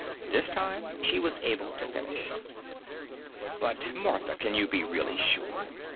This time, she was able to finish. "But, Martha, can you be really sure?